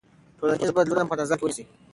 ټولنیز بدلونونه په نظر کې ونیسئ.